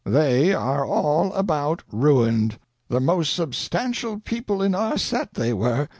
They are all about ruined. The most substantial people in our set, they were.